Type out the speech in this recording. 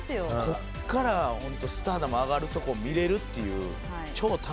ここからホントスターダム上がるとこ見れるっていう。